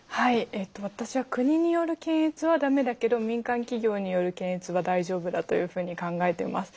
えっと私は国による検閲は駄目だけど民間企業による検閲は大丈夫だというふうに考えてます。